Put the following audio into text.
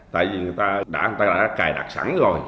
tại vì người ta đã cài đặt sẵn rồi